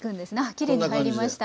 きれいに入りました。